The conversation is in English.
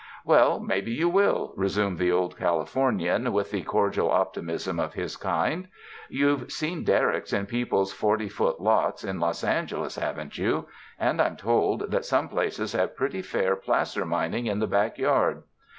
"Well maybe you will," resumed the Old Cali fornian with the cordial optimism of his kind. "You've seen derricks in peoples' forty foot lots in Los Angeles, haven't you? And I'm told that some places have pretty fair placer mining in the back yard.